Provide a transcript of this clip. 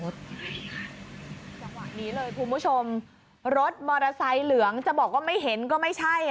จังหวะนี้เลยคุณผู้ชมรถมอเตอร์ไซค์เหลืองจะบอกว่าไม่เห็นก็ไม่ใช่